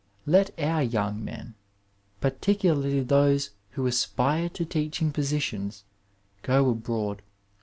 Let our young men, particularly those who aspire to teaching positions, go abroad.